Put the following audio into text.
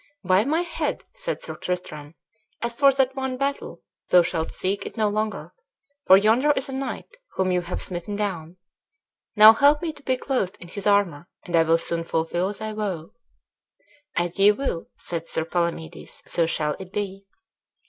"By my head," said Sir Tristram, "as for that one battle, thou shalt seek it no longer; for yonder is a knight, whom you have smitten down. Now help me to be clothed in his armor, and I will soon fulfil thy vow." "As ye will," said Sir Palamedes, "so shall it be."